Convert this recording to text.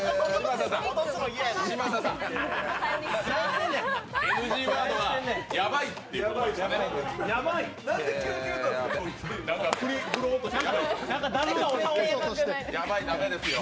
嶋佐さん、ＮＧワードはヤバいってことでしたね。